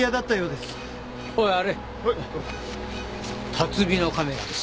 辰巳のカメラです。